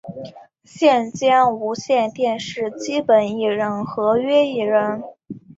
现兼无线电视基本艺人合约艺人。